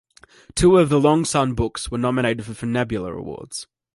Two of the "Long Sun" books were nominated for Nebula Awards.